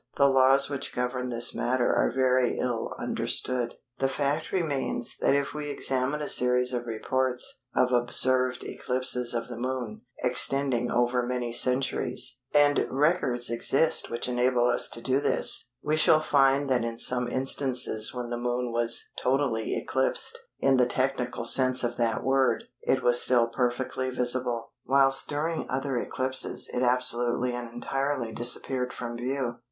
The laws which govern this matter are very ill understood. The fact remains that if we examine a series of reports of observed eclipses of the Moon extending over many centuries (and records exist which enable us to do this) we shall find that in some instances when the Moon was "totally" eclipsed in the technical sense of that word, it was still perfectly visible, whilst during other eclipses it absolutely and entirely disappeared from view.